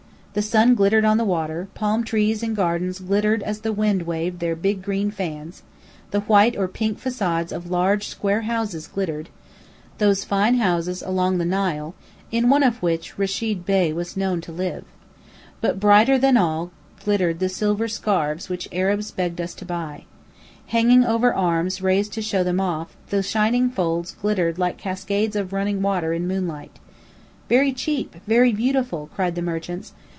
The sun glittered on the water; palm trees in gardens glittered as the wind waved their big green fans; the white or pink facades of large, square houses glittered, those fine houses along the Nile, in one of which Rechid Bey was known to live. But brighter than all glittered the silver scarfs which Arabs begged us to buy. Hanging over arms raised to show them off, the shining folds glittered like cascades of running water in moonlight. "Very cheap! very beautiful!" cried the merchants.